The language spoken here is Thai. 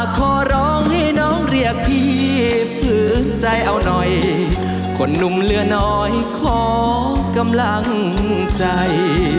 ขอร้องให้น้องเรียกพี่ผืนใจเอาหน่อยคนหนุ่มเหลือน้อยขอกำลังใจ